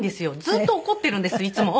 ずっと怒っているんですいつも。